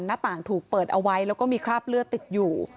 หน้าต่างถูกเปิดเอาไว้แล้วก็มีคราบเลือดติดอยู่